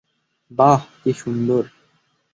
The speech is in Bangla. বাহ, কী সুন্দর!